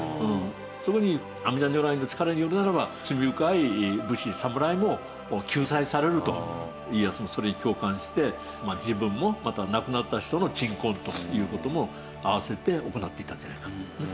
そこに阿弥陀如来の力によるならば家康もそれに共感して自分も亡くなった人の鎮魂という事も併せて行っていたんじゃないか。